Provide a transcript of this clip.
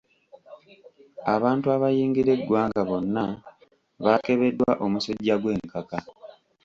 Abantu abayingira eggwanga bonna baakebeddwa omusujja gw'enkaka.